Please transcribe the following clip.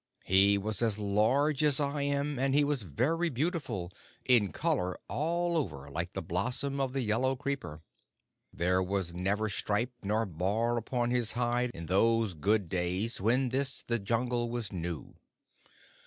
He was as large as I am, and he was very beautiful, in color all over like the blossom of the yellow creeper. There was never stripe nor bar upon his hide in those good days when this the Jungle was new.